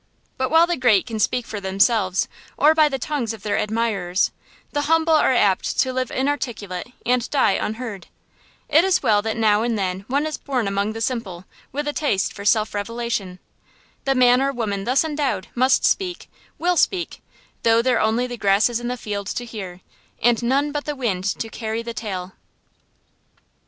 But while the great can speak for themselves, or by the tongues of their admirers, the humble are apt to live inarticulate and die unheard. It is well that now and then one is born among the simple with a taste for self revelation. The man or woman thus endowed must speak, will speak, though there are only the grasses in the field to hear, and none but the wind to carry the tale.